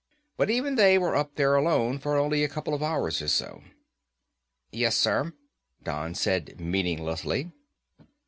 But even they were up there alone for only a couple of hours or so." "Yes, sir," Don said meaninglessly.